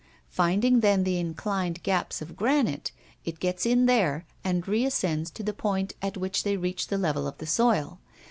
Finding then the inclined gaps of granite, it gets in there, and reascends to the point at which they reach the level of the soil.